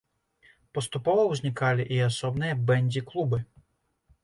Паступова ўзнікалі і асобныя бэндзі-клубы.